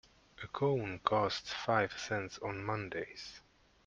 A cone costs five cents on Mondays.